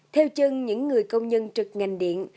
theo chân những người công nhân trực ngành điện